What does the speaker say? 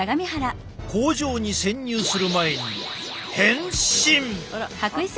工場に潜入する前に変身！